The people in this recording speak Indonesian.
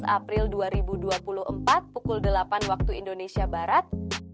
dua belas april dua ribu dua puluh empat pukul delapan waktu indonesia barat